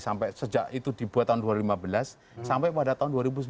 sampai sejak itu dibuat tahun dua ribu lima belas sampai pada tahun dua ribu sembilan belas